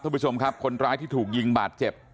คุณผู้ชมครับคนร้ายที่ถูกยิงบาดเจ็บ